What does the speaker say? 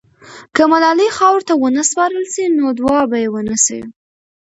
که ملالۍ خاورو ته ونه سپارل سي، نو دعا به یې ونسي.